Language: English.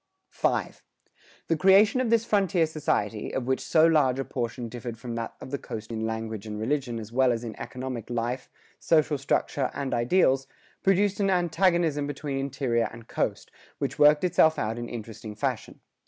[110:2] V. The creation of this frontier society of which so large a portion differed from that of the coast in language and religion as well as in economic life, social structure, and ideals produced an antagonism between interior and coast, which worked itself out in interesting fashion.